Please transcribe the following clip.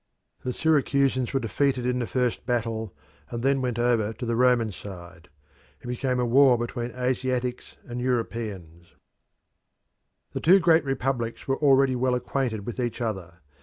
The Syracusans were defeated in the first battle, and then went over to the Roman side. It became a war between Asiatics and Europeans. Carthage and Rome The two great republics were already well acquainted with each other.